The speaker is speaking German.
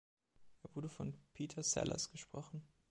Er wurde von Peter Sellers gesprochen.